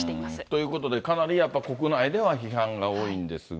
ということで、かなりやっぱり国内では批判が多いんですが。